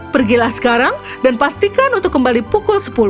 pergilah sekarang dan pastikan untuk kembali pukul sepuluh